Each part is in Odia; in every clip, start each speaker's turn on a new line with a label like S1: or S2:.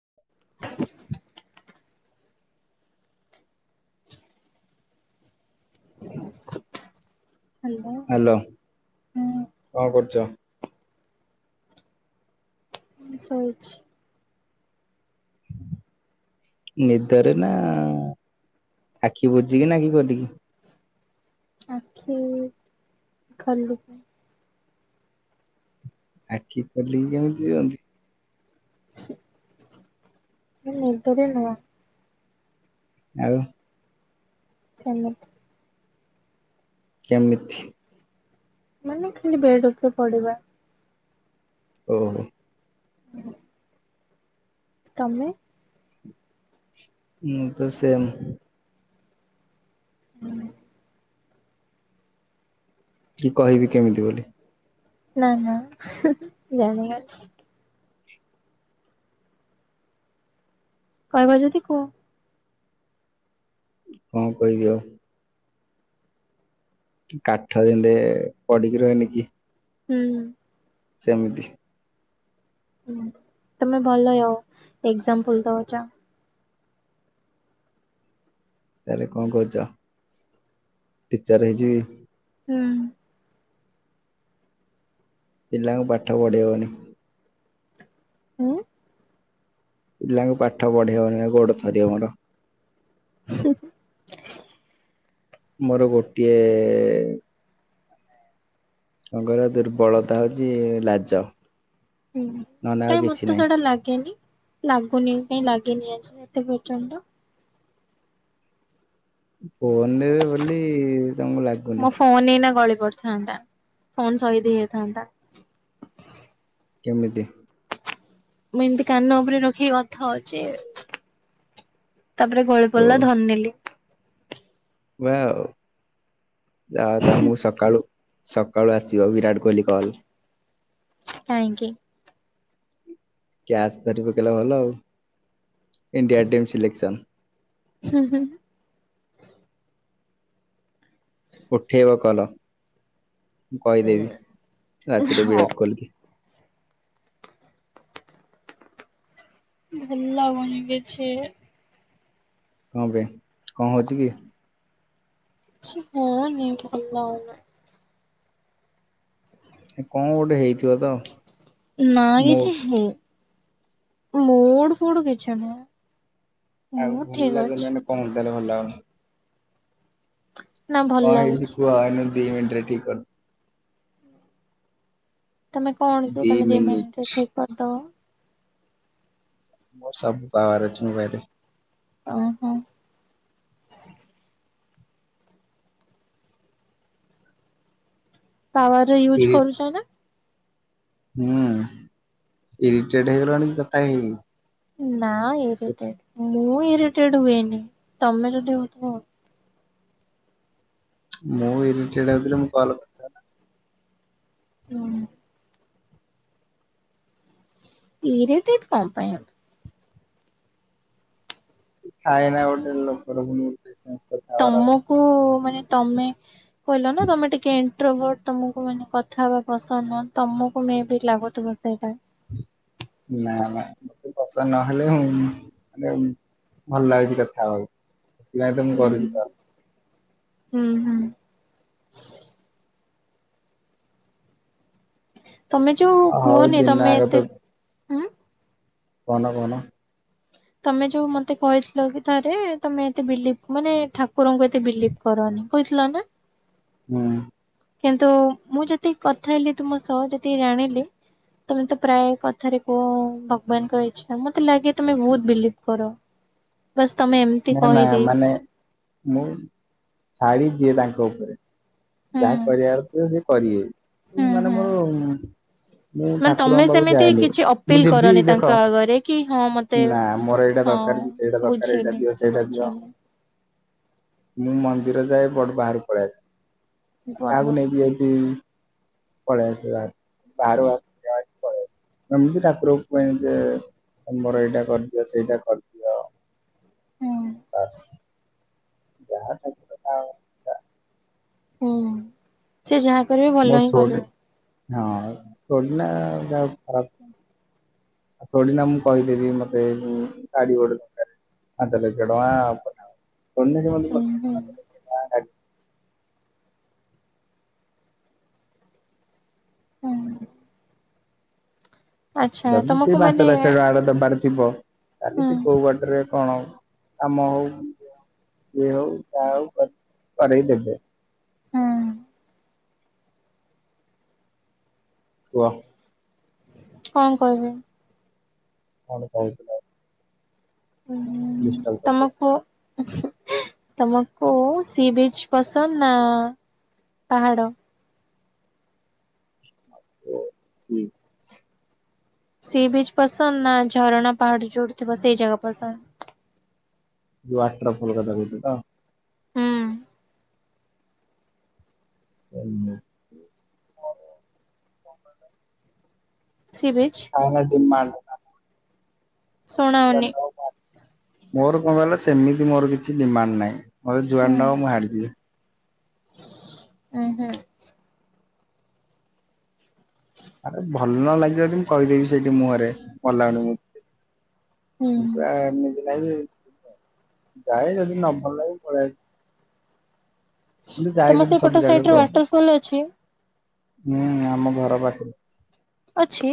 S1: [unintelligible] ହାଲୋ।
S2: ହାଲୋ କଣ କରୁଚ।
S1: ମୁଁ ଶୋଇଛି।
S2: ନିଦରେ ନା ଆଖି ବୁଜିକି ନା ଆଖି ଖୋଲିକି?
S1: ଆଖି ଖୋଲୁ
S2: ଆଖି ଖୋଲିକି କେମିତି ଶୁଅନ୍ତି।
S1: ନିଦରେ ନୁହଁ।
S2: ଆଉ
S1: ସେମିତି।
S2: କେମିତି?
S1: ମାନେ ଖାଲି ବେଡ ଉପରେ ପଡିବା।
S2: ଓହୋ।
S1: ହୁ। ତମେ?
S2: ମୁଁ ତ ସେମ୍।
S1: ହୁଁ।
S2: କି କହିବି କେମିତି ବୋଲି।
S1: ନା ନା ଜାଣିବା କହିବ ଯଦି କୁହ
S2: କଣ କିହିବି ଆଉ। କାଠ ଯେମତି ପଡିକି ରହେନି କି?
S1: ହୁଁ।
S2: ସେମିତି।
S1: ହୁଁ ତମେ ଭଲ ଆଉ ଏଗଜାମ୍ପୁଲ ଦୋଉଚ।
S2: ତାହେଲେ କଣ କୋହୁଚ ଟିଚର ହେଇଯିବି।
S1: ହୁଁ।
S2: ପିଲାଙ୍କୁ ପାଠ ପଢେଇ ହୋଉନି
S1: ଉଁ।
S2: ପିଲାଙ୍କୁ ପାଠ ପଢେଇହବନି ପା ଗୋଡ ଥରିବ ମୋର।
S1: ହୁଁହୁଁ।
S2: ମୋର ଗୋଟିଏ କଣ କହିଲ ଦୁର୍ବଳତା ହୋଉଚି ଲାଜ।
S1: ହୁଁ
S2: ନହେଲେ ଆଉ
S1: କାଁଇ
S2: କିଛି
S1: ମତେ ତ
S2: ନାହିଁ।
S1: ସେଇଟା ଲାଗେନି। ଲାଗୁନି କାଇଁ ଲାଗିନି ଆଜି ଏତେ ପର୍ଯ୍ୟନ୍ତ।
S2: ଫୋନରେ ବୋଲି ତମକୁ
S1: ମୋ
S2: ଲାଗୁନି।
S1: ଫୋନ ଏଇନା ଗଳି ପଡ ଥାନ୍ତା ଫୋନ୍ ସହିଦ ହେଇଯାଇଥାନ୍ତା।
S2: କେମିତି?
S1: ମୁଁ ଏମିତି କାନ ଉପରେ ରଖିକି କଥା ହଉଛି ତାପରେ ଗଳି
S2: ଓ
S1: ପଡିଲା ଧରି ନେଲି।
S2: ହୁଏ ଆଉ ଯାହା ହଉ ତମକୁ ସକାଳୁ ସକାଳୁ ଆସିବ ବିରାଟ କୋଇଲି କଲ।
S1: କାଇଁ କିି?
S2: କ୍ୟାଚ ଧରି ପକେଇଲେ ଭଲ ଆଉ ଇଣ୍ଡିଆ ଟିମ୍ ସିଲେକ୍ସନ।
S1: ହୁଁ ହୁଁଁ।
S2: ଉଠେଇବ କଲ ମୁଁ କହିଦେବି ରାତିରେ
S1: ହଉ
S2: ବିରାଟ କୋଇଲି।
S1: ଭଲ ଲାଗୁନି କିଛି।
S2: କଣ ପାଇଁ କଣ ହଉଛି କି?
S1: [unintelligible] ଭଲ ଲାଗୁନି।
S2: ଏ କଅ ଗୋଟେ ହେଇଥିବ ତ?
S1: ନାଇଁ
S2: ମୁଁ
S1: କିଛି ହେଇନି ମୁଡୁ ଫୁଡୁ କିଛି ନୁହଁ।
S2: ଆଉ ଭଲ ଲାଗୁନି ମାନେ କଣ ଟାରେ ଭଲ ଲାଗୁନି।
S1: ନା ଭଲ
S2: କଅ ହେଇଛି
S1: ଲାଗୁଛି
S2: କୁହ ଏଇନେ ଦି ମିନଟରେ ଠିକ କରି
S1: ତମେ କଣ କି ତମେ ଦି ମିନିଟରେ ଠିକ କରିଦବ।
S2: ମୋର ସବୁ ପାୱାର ଅଛି ମୋ ପାଖରେ।
S1: ଅ ହଁ। ପାୱାର ୟୁଜ୍
S2: ଇରି
S1: କରୁଛ ନା?
S2: ହୁଁ ଇରିଟେଡ ହେଇଗଲଣି କି କଥା ହେଇ ହେଇ?
S1: ନା ଇରିଟେଡ ମୁଁ ଇରିଟେଡ ହୁଏନି ତମେ ଯଦି ହଉଥିବ।
S2: ମୁଁ ଇରିଟେଡ ହେଉଥିଲେ ମୁଁ କଲ କରିଥାନ୍ତି।
S1: ହୁଁ। ଇରିଟେଡ କଅ ପାଇଁ ହେବି।
S2: ଥାଏ ନା ଗୋଟେ ଲୋକର ପୁଣି ପ୍ରେସେନ୍ସ।
S1: ତମକୁ ମାନେ ତମେ କହିଲ ନା ତମେ ଟିକେ ଏଣ୍ଟୋରଭଟ ତମକୁ ମାନେ କଥା ହବା ପସନ୍ଦ ନୁହଁ ତମକୁ ମେ ବି ଲାଗୁ ତୁମ ପାଇଁକା।
S2: ନା ନା ମତେ ପସନ୍ଦ ନହେଲେ ମେ ଭଲ ଲାଗୁଛି କଥା ହବାକୁ ସେଥିପାଇଁ ତ ମୁଁ
S1: ହୁଁ
S2: କରୁଛି ତ।
S1: ହୁଁ ହୁଁ। ତମେ ଯୋଉ
S2: ହଉ
S1: କୁହନି
S2: ଦିନ
S1: ତମେ
S2: ଆଗ
S1: ଏତେ ଉଁ
S2: କଣ କହୁନ?
S1: ତମେ ଯୋଉ ମତେ କହିଥିଲ କି ଥରେ ତମେ ଏତେ ବିଲପ ମାନେ ଠାକୁରଙ୍କୁ ଏତେ ବିଲିପ କରନି କହିଥିଲ ନା?
S2: ହୁଁ।
S1: କିନ୍ତୁ ମୁଁ ଯେତିକି କଥା ହେଲି ତୁମ ସହ ଯେତିକି ଜାଣିଲି। ତମେ ତ ପ୍ରାୟ କଥାରେ କୁହ ଭଗବାନଙ୍କ ଇଚ୍ଛା ମତେ ଲାଗେ ତମେ ବୋହୁତ ବିଲିପ କର। ବାସ୍ ତମେ ଏମ
S2: ନା ନା ମାନେ ମୁଁ ଛାଡିଦିଏ ତାଙ୍କ ଉପରେ ଯାହା
S1: ହୁଁ।
S2: କରିବାର ଥିବ ସେ କରିବେ
S1: ହୁଁ
S2: ମାନେ
S1: ହୁଁ।
S2: ମୋର ମୁଁ
S1: ମାନେ ତମେ
S2: ଠାକୁରଙ୍କ ପାଖକୁ
S1: ସେମିତି
S2: ଯାଏନି
S1: କିଛି ଅପିଲ
S2: ମୁଁ ଯିବି
S1: କରନି ତାଙ୍କ
S2: ଦେଖ
S1: ଆଗରେ କି ହଁ ମତେ
S2: ନା ମୋର ଏଇଟା
S1: ହଁ
S2: ଦରକାର ସେଇଟା ଦରକାର ଏଇଟା
S1: ବୁଝିଲି
S2: ଦିଅ ସେଇଟା ଦିଅ
S1: ବୁଝିଲି
S2: ମୁଁ ମନ୍ଦିର ଯାଏ ବଟ୍ ବାହାର ପଳେଇ ଆସେ।
S1: ଭଲ
S2: କାହାକୁ ନେଇକି ଜାଇଥିବ ପଳେଇ ଆସେ ଭାରୁ। ବାହାରୁ ବାହାରୁ ଏମିତି ଠାକୁର କହେ ଯେ ତମର ଏଇଟା କରିଦିଅ ସେଇଟା କରିଦି
S1: ହୁଁ
S2: ବାସ୍। ଯାହା ମାଗିବ ତାହା
S1: ହୁଁ। ସେ ଯାହା କରିବ
S2: [unintelligible] ଥୋଡ଼ି ନା ମୁଁ କହିଦେବି ମୋର ଗାଡ଼ି ଗୋଟେ ଦରକାର? ପାଞ୍ଚ ଲକ୍ଷ ଟଙ୍କା
S1: ହୁଁ
S2: [unintelligible]
S1: ହୁଁ
S2: ଲକ୍ଷ ଟଙ୍କା ଗାଡି
S1: ହୁଁ। ଆଚ୍ଛା
S2: ଯଦି ସେ
S1: ତମକୁ
S2: ପାଞ୍ଚ
S1: ମାନେ
S2: ଲକ୍ଷ ଟଙ୍କା ଦବାରଥିବ ତାହେଲେ
S1: ହୁଁ
S2: ସେ କୋଉ ବାଟରେ କଣ ହଉ କାମ ହଉ ସେ ହଉ ଯାହା ହଉ କରେଇ ଦେବେ।
S1: ହୁଁ
S2: କୁହ?
S1: କ କହିବି?
S2: କଣ କହୁଥିଲ?
S1: ହୁଁ ତମେ କୁହ? ତମକୁ ସି ବିଚ ପସନ୍ଦ ନା ପାହାଡ଼?
S2: [unintelligible]
S1: ସି ବିଚ୍ ପସନ୍ଦ ନା ଝରଣା ପାହାଡ ଯୋଉଠିଥିବ ସେଇଜାଗା ପସନ୍ଦ?
S2: ଯୋଉ ୱାଟର ଫଲ କଥା କହୁଚ ତ?
S1: ହୁଁ
S2: ହୁଁ [unintelligible]
S1: ସି ବିିଚ୍?
S2: [unintelligible]
S1: ଶୁଣାଉନି
S2: ମୋର କଣ କହିଲ ସେମିତି ମୋର କିଛି ଡିମାଣ୍ଡ ନାହିଁ। ମୋତେ ଜୁଆଡେ ନବ ମୁଁ ହିଆଡେ ଯିବି।
S1: ଉ ହୁଁ। [inaudible]
S2: ଆରେ ଭଲ ନଲାଗିବ ଯଦି ମୁଁ କହିଦେବି ସେଇଠି ମୁହଁରେ ଭଲ ଲାଗୁନି ମୁଁ
S1: ହୁଁ।
S2: [unintelligible] ନାଇ ଯଦି ନ ଭଲ ଲାଗେ ପଳେଇ ଆସି ମୁଁ
S1: ତମ
S2: ଯାଇଥିଲେ
S1: ସେଇପଟ
S2: ସବୁ
S1: ସାଇଡରେ
S2: ଜାଗାକୁ ଆଉ।
S1: ୱାଟର ଫଲ୍ ଅଛି
S2: ହୁଁ ଆମ ଘରପାଖରେ [unintelligible]
S1: ଅଛି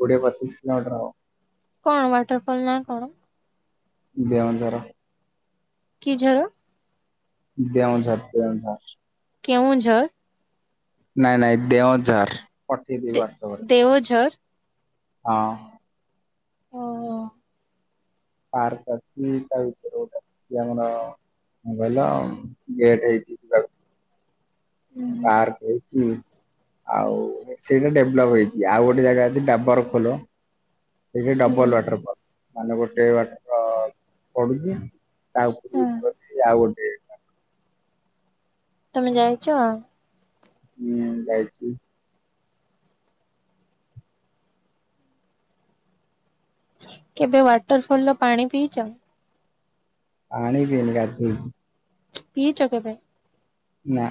S2: କୋଡି଼ଏ ପଚିଶୀ କିଲୋମିଟର ହବ।
S1: କଣ ୱାଟରଫଲ୍ ନା କଣ?
S2: ଦେଓଝର?
S1: କି ଝର?
S2: ଦେଓଝର ଦେଓଝର?
S1: କେଉଁଝର?
S2: ନାଇଁ ନାଇଁ ଦେଉଝର ପଠେଇ ଦେବି
S1: ଦେ
S2: ୱାଟତ୍ସପ୍ ରେ।
S1: ଦେଓଝର?
S2: ହଁ।
S1: ଓହୋ
S2: ପାର୍କ ଅଛି ତା ଭିତରେ [unintelligible] ଆମର ହଁ ଭଲ ଗେଟ୍ ହେଇଛି ଯିବାକୁ।
S1: ହୁଁ
S2: ପାର୍କ ହେଇଚି। ଆଉ ସେଇଟା ଡେଭଲପ ହେଇଛି ଆଉ ଗୋଟେ ଜାଗା ଅଛି ଡାବରଖୋଲ। ସେଇଠି
S1: ହୁଁ
S2: ଡବଲ ୱାଟରଫଲ। ମାନେ ଗୋଟେ ବାଟ ପଡୁଚି ତା
S1: ହୁଁ
S2: ଉପରୁକୁ [unintelligible] ଆଉ ଗୋଟେ
S1: ତମେ ଯାଇଚ
S2: ନିଆଁ ଯାଇଚି।
S1: କେବେ ୱାଟରଫଲ ର ପାଣି ପିଇଚ?
S2: ପାଣି ପିଇନି ଗାଧେଇଚି।
S1: ପିଇଚ କେବେ?
S2: ନାଁ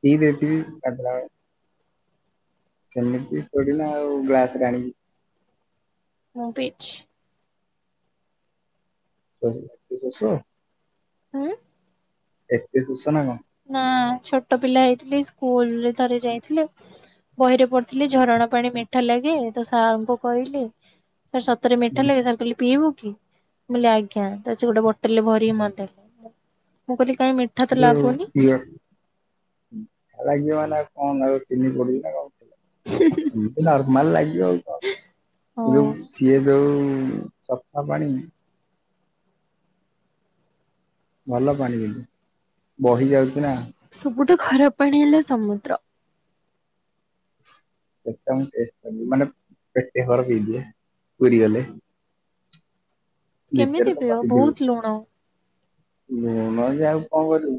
S2: ପିଇ ଦେଇଥିବି ଗାଧେଇଲା ବେଳେ। ସେମିତି ଥୋଡିନା ଆଉ ଗ୍ଲାସରେ ଆଣିକି
S1: ମୁଁ ପିଇଛି।
S2: [unintelligible]
S1: ହୁଁ।
S2: ଏତେ ଶୁସନା କଣ?
S1: ନା ଛୋଟ ପିଲା ହେଇଥିଲି ସ୍କୁଲ ରେ ଥରେ ଯାଇଥିଲେ ବହିରେ ପଢିଥିଲି ଝରଣା ପାଣି ମିଠା ଲାଗେ ତ ସାରଙ୍କୁ କହିଲି ସାରେ ସତରେ ମିଠା ଲାଗେ ସାର୍ କହିଲେ ପିଇବୁ କି? ମୁଁ କହିଲି ଆଜ୍ଞା ତା ପରେ ସେ ଗୋଟେ ବୋଟଲରେ ଭରିିକି ମତେଦେଲେ ମୁଁ କହିଲି କାଇଁ ମିଠା ତ ଲାଗୁନି
S2: [unintelligible]
S1: [unintelligible]
S2: ଏମିତି ନର୍ମାଲ ଲାଇଫି ଆଉ କଣ
S1: ହଁ
S2: ଏ ଯୋଉ ସିଏ ଯୋଉ ସଫା ପାଣି ଭଲ ପାଣି ହେଇଚି ବହି ଯାଉଚି ନା।
S1: ସବୁଠୁ ଖରାପ ପାଣି ହେଲା ସମୁଦ୍ର।
S2: ସେଟା ମୁଁ ଟେଷ୍ଟ କରିନି ମାନେ ପେଟେ ହବରପିଇ ଦିଏ ପୁରି ଗଲେ।
S1: କେମିତି
S2: ଭିତରେ ତ
S1: ପିଅ
S2: ବସିିଥିବୁ
S1: ବହୁତ ଲୁଣ।
S2: [unintelligible] କଣ କରିବୁ।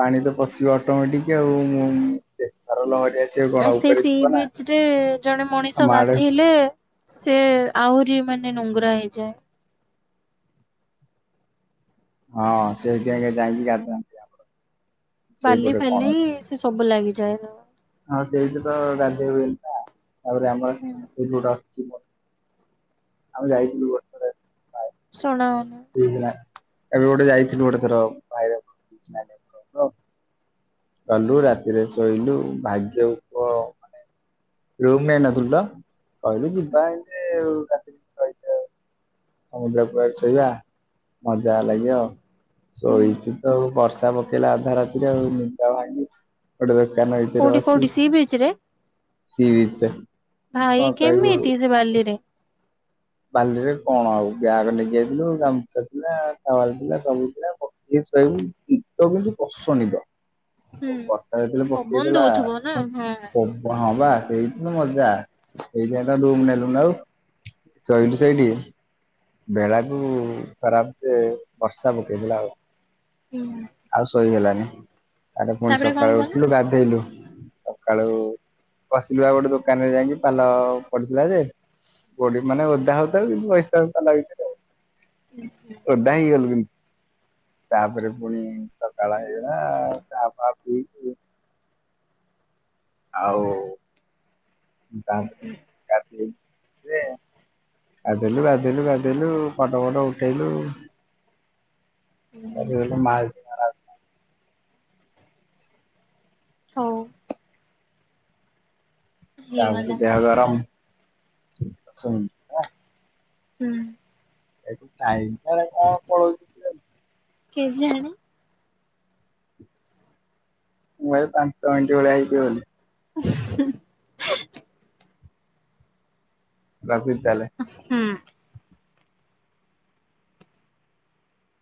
S2: ପାଣି ତ ପଶିବ ଅଟୋମେଟିକ ଆଉ ମୁଁ ବେପାର ଲହରୀ ଆସିବ କଣ
S1: ଆ ସେ
S2: ଉପରେ
S1: ସି
S2: ଯିବ ନା
S1: ବିଚ ରେ ଜଣେ
S2: ଆମ
S1: ମଣିଷ
S2: ଆଡେ
S1: ଗାଧେଇଲେ ସେ ଆହୁରି ମାନେ ନୁଙ୍ଗୁରା ହେଇଯାଏ।
S2: ହଁ ସେଇଠି ଆଗେ ଯାଇକି ଗାଧା।
S1: ବାଲି ଫାଲି
S2: ଗୋଟେ।
S1: ସେ ସବୁ ଲାଗିଯାଏ। ହୁଁ
S2: ହଁ ସେଇଠି ତ ଗାଧେଇ ହୁଏନି ନା ତାପରେ ଆମର ସେଇଠି ଗୋଟେ ଅଛି। ଆମେ ଯାଇଥିଲୁଗୋଟେ।
S1: ଶୁଣାଉନି।
S2: [unintelligible] ଏବେ ଗୋଟେ ଯାଇଥିଲୁ ଗୋଟେ ଥର [unintelligible] ଗଲୁ ରାତିରେ ଶୋଇଲୁ ଭାଗ୍ୟକୁ କୁହ। ରୁମନେ଼ଇ ନ ଥିଲୁତ କହିଲୁ ଯିବା ଏମିତି ରା ସମୁଦ୍ର କୂଳରେ ଶୋଇବା ମଜା ଲାଗିବ
S1: ହୁଁ
S2: ଶୋଇଚି ତଆଉ ବର୍ଷା ବର୍ଷା ପକେଇଲା ଅଧା ରାତିରେ ଆଉ ନିଦ ଭାଙ୍ଗି ଗୋଟେ ଦୋକାନ ଭିତରେ
S1: କୋଉଠି କୋଉଠି
S2: ବସି
S1: ସି ବିଚ୍ ରେ
S2: ସି ବିଚ୍ ରେ।
S1: ଭାଇ
S2: କଣ କହିବୁ
S1: କେମିତି ସେ ବାଲିରେ
S2: ବାଲିରେ କଣ ଆଉ ବ୍ୟାଗ ନେଇକି ଯାଇଥିଲୁ ଗାମୁଛା ଥିଲା ଟାୱେଲେ ଥିଲା ସବୁ ଥିଲାପ [unintelligible] ଆଉ
S1: ହୁଁ।
S2: ବର୍ଷା ଜେତେବେଳେ ପକେଇ
S1: ପବନ
S2: ଦେଲା
S1: ଦଉଥିବ ନା
S2: ହଁ ବା ସେଇଦିନ ମଜା ସେଇଥିାପାଇଁ ତ ରୁମ୍ ନେଲୁନ ଆଉ। ଶୋଇଲୁ ସେଇଠି। ବେଳା କୁ ଖରାପ ସେ ବର୍ଷା ପକେଇ ଥିଲା ଆଉ।
S1: ହୁଁ।
S2: ଆଉ ଶୋଇହେଲାନି ଆରେ ପୁଣି
S1: ତାପରେ କଣ
S2: ସକାଳୁ ଉଠିଲୁ
S1: କଲ
S2: ଗଧେଇଲୁ। ସକାଳୁ ବସିଲୁ ଆଉ ଗୋଟେ ଦୋକାନରେ ଯାଇକି ପାଲ ପଡିଥିଲା ଯେ। କୋଡ଼ି ମାନେ ଓଧା ହଉଥାଉ କିନ୍ତୁ ବସିଥାଉ ପାଲା ଭିତରେ ଆଉ।
S1: [unintelligible]
S2: ଓଦାହେଇଗଲୁ କି। ତାପରେ ପୁଣି ସକାଳ ହେଇଗଲା ଚା ଫା ପିଉଥୁଲୁ। ଆଉ ଗା ଗାଧେଇ। ଯେ ଗାଧେଲୁ ଗାଧେଲୁ ଗାଧେଲୁ ଫଟୋ ଫଟ ଉଠେଇଲୁ। ସରିଗଲେ ମା
S1: ହଉ।
S2: ତାକୁ
S1: ହେଇଗଲା
S2: ଯାହା ଗରମ୍ ସମ।
S1: ହୁଁ।
S2: ଏଠୁ ଟାଇମ୍ କାଳେ କଁ ପଳଉଚି।
S1: କେଜାଣି।
S2: ମୁଁ ଭାବେ ପାଞ୍ଚ ମିନିଣ୍ଟି ଭଳିଆ ହେଇଥିବ ବୋଲି।
S1: [inaudible]
S2: ରଖୁଛି ତାହେଲେ।
S1: ହୁଁ।